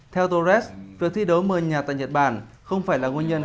theo torres việc thi đấu mơ nhạt tại nhật bản không phải là nguyên nhân